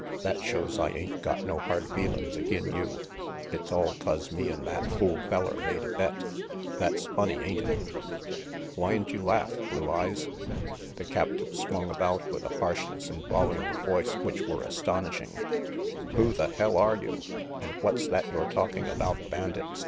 That shows I ain't got no hard feelin's agin you. It's all 'cause me an' that fool feller made a bet. That's funny, ain't it? Whyn't you laugh, Blue Eyes?" The captive swung about with a harshness and volume of voice which were astonishing. "Who the hell are you? And what's that you're talking about bandits?"